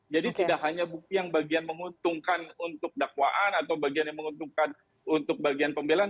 jadi tidak hanya bukti yang bagian menguntungkan untuk dakwaan atau bagian yang menguntungkan untuk bagian pembelian